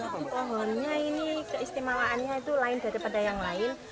pohonnya ini keistimewaannya itu lain daripada yang lain